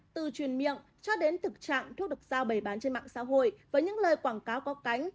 từ truyền miệng cho đến thực trạng thuốc được giao bày bán trên mạng xã hội với những lời quảng cáo có cánh